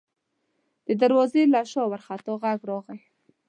د دروازې له شا وارخطا غږ راغی: